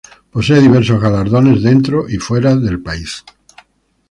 Posee diversos galardones dentro y fuera del país.